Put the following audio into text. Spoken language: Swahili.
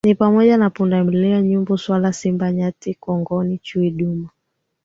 ni pamoja na punda milia nyumbu swala simba nyati kongoni chui duma